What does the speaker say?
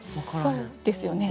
そうですよね。